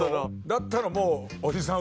だったらもうおじさん